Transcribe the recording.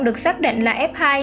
được xác định là f hai